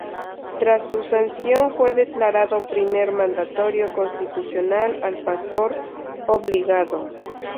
Tras su sanción fue declarado primer mandatario constitucional a Pastor Obligado.